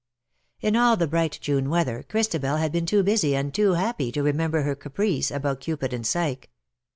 In all the bright June weather^ Christabel had been too busy and too happy to remember her caprice about Cupid and Psyche.